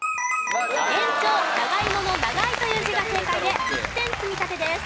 延長長芋の「長い」という字が正解で１点積み立てです。